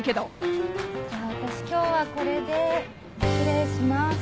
じゃあ私今日はこれで失礼します。